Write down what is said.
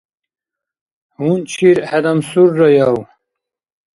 Гьунчир хӀедамсурраяв?